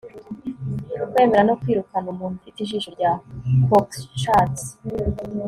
kwera no kwirukana, umuntu ufite ijisho rya cockshut